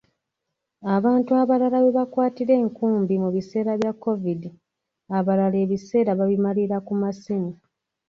Abantu abalala webakwatira enkumbi mu biseera bya covid, abalala ebiseera babimalira ku masimu.